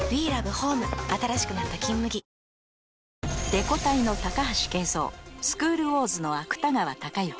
「レコ大」の高橋圭三「スクール★ウォーズ」の芥川隆行